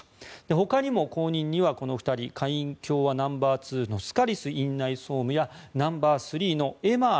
ほかにも、後任にはこの２人下院共和ナンバーツーのスカリス院内総務やナンバースリーのエマー